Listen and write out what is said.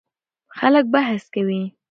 خلک بحث کوي.